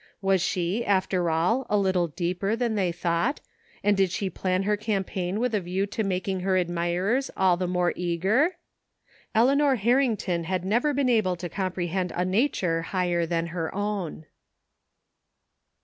Was she, after all, a little deeper than they thought and did she plan her campaign with a view to making her admirers all the more eager ? EleaiK)r Harrington never had been able to comprehend a nature higher than her own.